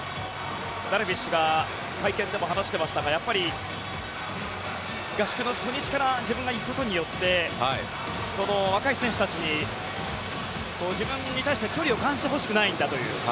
ダルビッシュが会見でも話していましたがやっぱり合宿の初日から自分が行くことによって若い選手たちに自分に対して距離を感じてほしくないんだという。